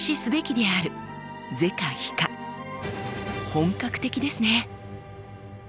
本格的ですね。